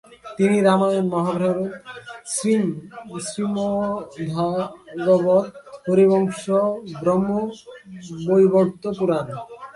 তিনি রামায়ণ, মহাভারত, শ্রীমদ্ভাগবত, হরিবংশ, ব্রহ্মবৈবর্ত পুরাণ